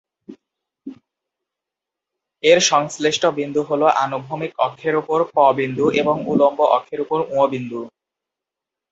এর সংশ্লিষ্ট বিন্দু হলো আনুভূমিক অক্ষের ওপর প-বিন্দু এবং উল্লম্ব অক্ষের ওপর ঙ-বিন্দু।